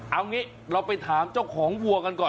เอางี้เราไปถามเจ้าของวัวกันก่อน